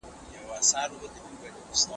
ته باید خپلو خپلوانو ته تل وخت ورکړې.